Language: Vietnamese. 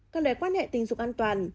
cần để quan hệ tình dục an toàn